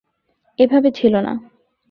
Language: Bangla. এভাবে ছিল না।